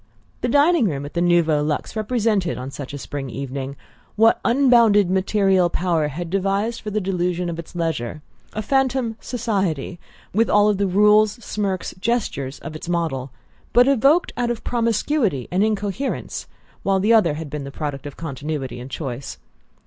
The dining room at the Nouveau Luxe represented, on such a spring evening, what unbounded material power had devised for the delusion of its leisure: a phantom "society," with all the rules, smirks, gestures of its model, but evoked out of promiscuity and incoherence while the other had been the product of continuity and choice.